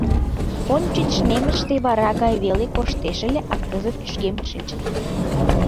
Ончыч нымыште вара гай веле коштеш ыле, а кызыт кӱжгем шинчын.